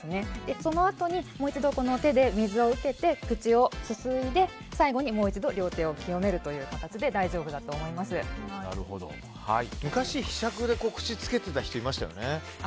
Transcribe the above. そのあとにもう一度手で水を受けて、口をすすいで最後にもう一度両手を清めるという形で昔、ひしゃくに口をつけていた人がいましたよね。